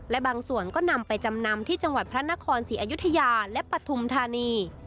และบางส่วนก็นำไปจำนำที่จังหวัดพระนครศรีอยุธยาและปฐุมธานี